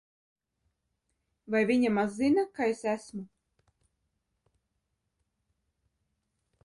Vai viņa maz zina, ka es esmu?